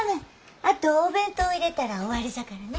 あとお弁当入れたら終わりじゃからね。